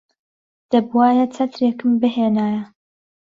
دەبوایە چەترێکم بهێنایە.